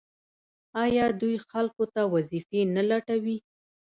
آیا دوی خلکو ته وظیفې نه لټوي؟